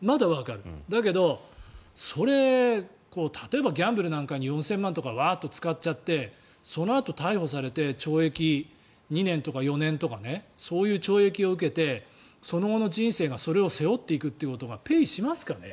だけど、それを例えばギャンブルなんかに４０００万とかワーッと使っちゃってそのあと逮捕されて懲役２年とか４年とかそういう懲役を受けてその後の人生がそれを背負っていくことがペイしますかね？